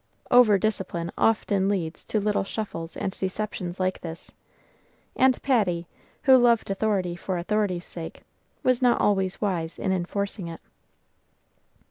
Over discipline often leads to little shuffles and deceptions like this, and Patty, who loved authority for authority's sake, was not always wise in enforcing it.